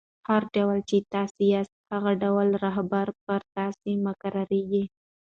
هر ډول، چي تاسي یاست؛ هغه ډول رهبران پر تاسي مقررېږي.